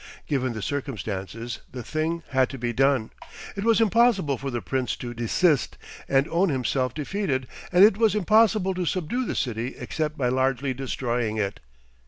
Given the circumstances, the thing had to be done. It was impossible for the Prince to desist, and own himself defeated, and it was impossible to subdue the city except by largely destroying it.